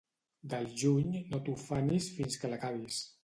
Del juny no t'ufanis fins que l'acabis.